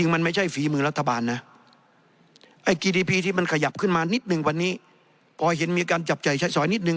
มานิดหนึ่งวันนี้พอเห็นมีการจับใจใช้สอยนิดหนึ่ง